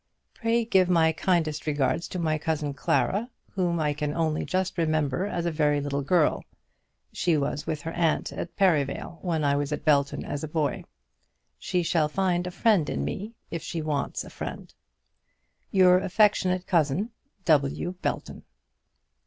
Pray give my kindest regards to my cousin Clara, whom I can only just remember as a very little girl. She was with her aunt at Perivale when I was at Belton as a boy. She shall find a friend in me if she wants a friend. Your affectionate cousin, W. BELTON.